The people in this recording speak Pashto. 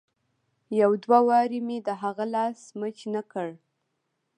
يو دوه وارې مې د هغه لاس مچ نه کړ.